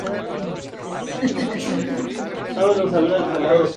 La sede del condado es Fairview.